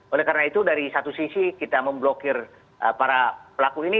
oleh karena itu dari satu sisi kita memblokir para pelaku ini